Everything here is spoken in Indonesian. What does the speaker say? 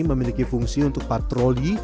memiliki fungsi untuk patroli